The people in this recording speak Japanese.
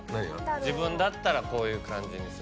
自分だったらこういう感じにするっていう。